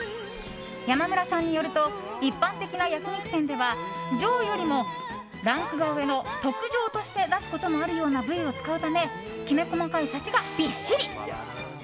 山村さんによると一般的な焼き肉店では上よりもランクが上の特上として出すこともあるような部位を使うためきめ細かいサシがびっしり。